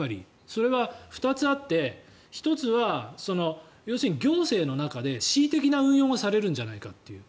それは２つあって１つは要するに行政の中で恣意的な運用がされるんじゃないかという。